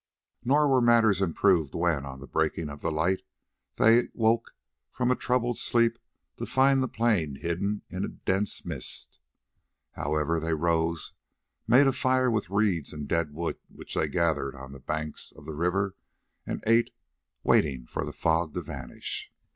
Nor were matters improved when, on the breaking of the light, they woke from a troubled sleep to find the plain hidden in a dense mist. However, they rose, made a fire with reeds and dead wood which they gathered on the banks of the river, and ate, waiting for the fog to vanish.